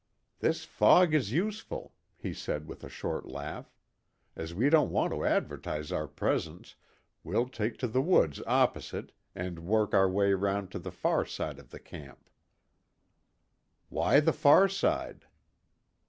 "This fog is useful," he said, with a short laugh. "As we don't want to advertise our presence we'll take to the woods opposite, and work our way round to the far side of the camp." "Why the far side?"